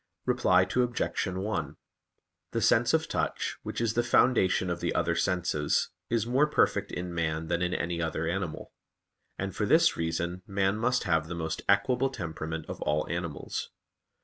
Reply Obj. 1: The sense of touch, which is the foundation of the other senses, is more perfect in man than in any other animal; and for this reason man must have the most equable temperament of all animals.